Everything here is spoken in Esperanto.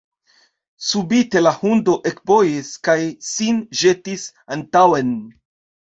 Subite la hundo ekbojis kaj sin ĵetis antaŭen.